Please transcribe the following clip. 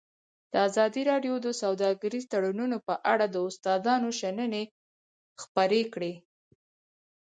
ازادي راډیو د سوداګریز تړونونه په اړه د استادانو شننې خپرې کړي.